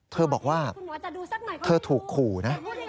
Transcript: เธอบอกว่าเธอถูกขู่นะ